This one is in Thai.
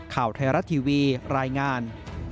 ข่าวไทยรัฐทีวีรายงาน